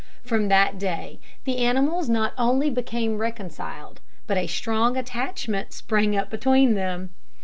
From that day the animals not only became reconciled, but a strong attachment sprang up between them.